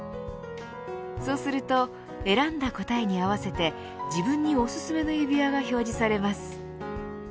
そうすると選んだ答えに合わせて自分におすすめの指輪が表示されます。